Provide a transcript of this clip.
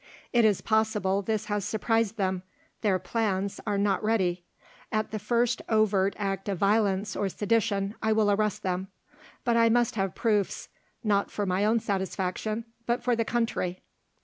"It is possible this has surprised them; their plans are not ready. At the first overt act of violence or sedition, I will arrest them. But I must have proofs, not for my own satisfaction, but for the country."